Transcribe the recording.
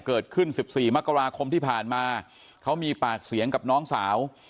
เกิดขึ้น๑๔มกราคมที่ผ่านมาเขามีปากเสียงกับน้องสาว